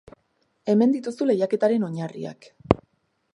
Hemen dituzu lehiaketaren oinarriak.